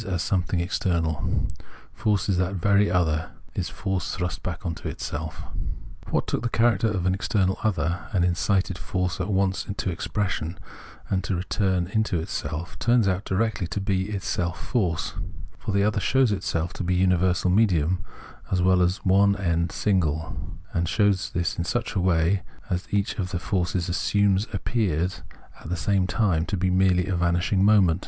as something external ; force is that very other, is force thrust back into itself. What took the character of an external other, and incited force at once to expression and to return into self, turns out directly to be itself force : for the other shows itself to be luiiversal medium as well as one and single, and shows this in such a way that each of the forms assumed appears at the same time to be merely a vanishing moment.